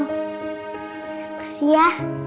terima kasih ya